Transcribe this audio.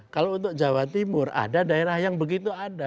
kalau untuk jawa timur ada daerah yang begitu ada